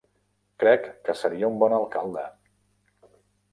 Crec que seria un bon alcalde...